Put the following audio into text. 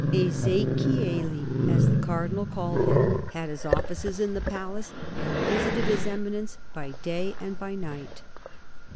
" Ezechieli," as the Cardinal called him, had his offices in the palace, and visited His Eminence by day and by night.